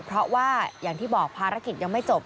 เพราะว่าอย่างที่บอกภารกิจยังไม่จบ